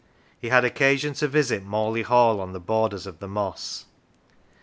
He had occasion to visit Morley Hall, on the borders of the moss.